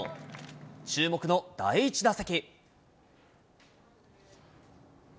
注目の第１打席。